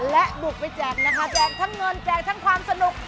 และบุกไปแจกนะคะแจกทั้งเงินแจกทั้งความสนุก